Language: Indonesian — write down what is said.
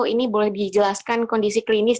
ini boleh dijelaskan kondisi klinis